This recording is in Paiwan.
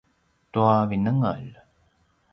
tua vinengel